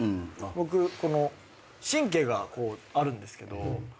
僕神経がこうあるんですけど。